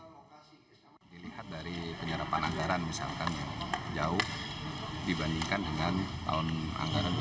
dilihat dari penyerapan anggaran misalkan jauh dibandingkan dengan tahun anggaran dua ribu empat belas